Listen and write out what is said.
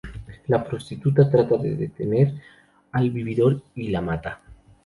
La prostituta trata de detener al vividor y la mata.